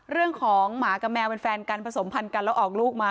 เรื่องของหมากับแมวเป็นแฟนกันผสมพันธ์กันแล้วออกลูกมา